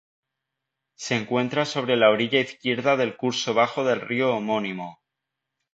Se encuentra sobre la orilla izquierda del curso bajo del río homónimo.